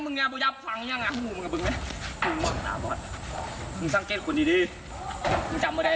มึงสังเกตขนดีมึงจำไว้ได้แล้ว